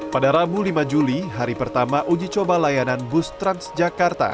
pada rabu lima juli hari pertama uji coba layanan bus transjakarta